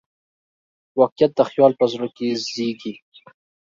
واقعیت د خیال په زړه کې زېږي.